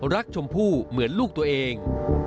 ชมพู่เหมือนลูกตัวเอง